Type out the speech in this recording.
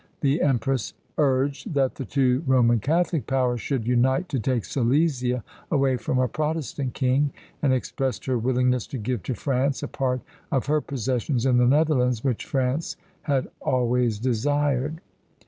The empress urged that the two Roman Catholic powers should unite to take Silesia away from a Protestant king, and expressed her willingness to give to France a part of her possessions in the Netherlands, which France had always desired.